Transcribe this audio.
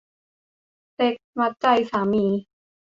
เซ็กส์มัดใจสามี